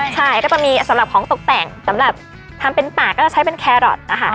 ใช่ก็จะมีสำหรับของตกแต่งสำหรับทำเป็นปากก็จะใช้เป็นแครอทนะคะ